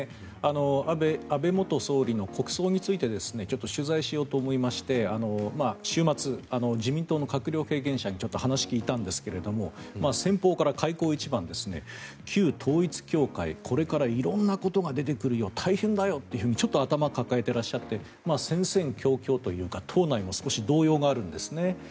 安倍元総理の国葬についてちょっと取材しようと思いまして週末、自民党の閣僚経験者にちょっと話を聞いたんですが先方から開口一番旧統一教会これから色んなことが出てくるよ大変だよと、ちょっと頭を抱えていらっしゃって戦々恐々というか党内も少し動揺があるんですね。